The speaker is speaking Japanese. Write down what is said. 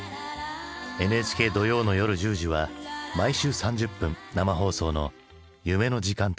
ＮＨＫ土曜の夜１０時は毎週３０分生放送の夢の時間となる。